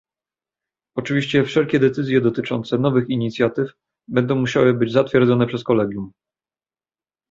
Oczywiście wszelkie decyzje dotyczące nowych inicjatyw będą musiały być zatwierdzone przez kolegium